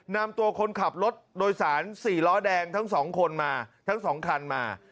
นำตัวคนขับรถโดยสาร๔ล้อแดงทั้ง๒คนมาทั้ง๒คันมา